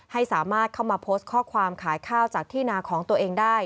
ให้สามารถเข้ามาโพสต์ข้อความขายข้าวจากที่นาของตัวเองได้